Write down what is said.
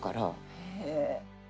へえ。